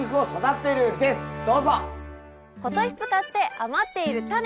今年使って余っているタネ。